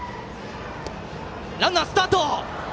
ランナー、スタート！